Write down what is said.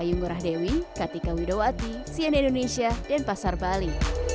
ayu ngurah dewi kartika widowati cna indonesia dan pasar bali